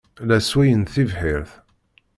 La sswayen tibḥirt.